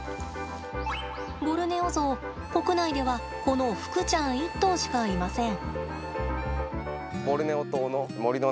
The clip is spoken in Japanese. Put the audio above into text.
ボルネオゾウ、国内ではこのふくちゃん１頭しかいません。